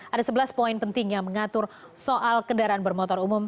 ada sebelas poin penting yang mengatur soal kendaraan bermotor umum